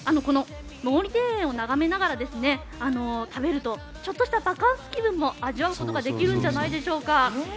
毛利庭園を眺めながら食べるとちょっとしたバカンス気分も味わうことができるんじゃないでしょうか。